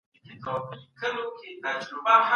پلان جوړونه باید د هیواد د اړتیاوو سره سمه وي.